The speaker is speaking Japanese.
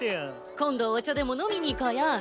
今度お茶でも飲みに行こうよ。